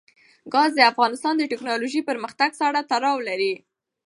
ګاز د افغانستان د تکنالوژۍ پرمختګ سره تړاو لري.